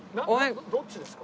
どっちですか？